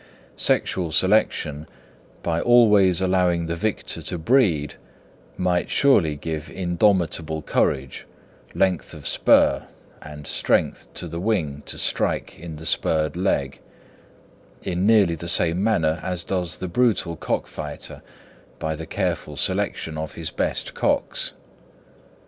Sexual selection, by always allowing the victor to breed, might surely give indomitable courage, length of spur, and strength to the wing to strike in the spurred leg, in nearly the same manner as does the brutal cockfighter by the careful selection of his best cocks.